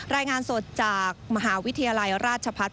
รายงานสดจากมหาวิทยาลัยราชพัฒน์